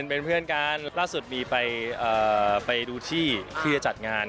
เป็นเพื่อนกันล่าสุดมีไปดูที่ที่จะจัดงาน